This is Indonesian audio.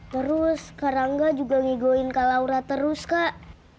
terus karangga juga ngegoin kak laura terus kak